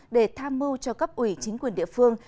để tham mưu cho cấp ủy chính quyền địa phương